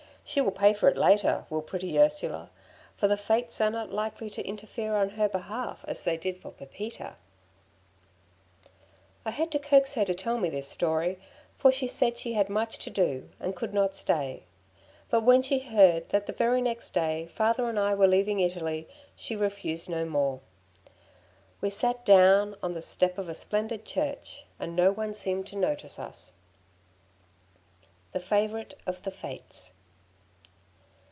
"She will pay for it later, will pretty Ursula, for the Fates are not likely to interfere on her behalf as they did for Pepita." I had to coax her to tell me this story, for she said she had much to do, and could not stay. But when she heard that the very next day Father and I were leaving Italy, she refused no more. We sat down on the step of a splendid church, and no one seemed to notice us. The Favourite of the Fates.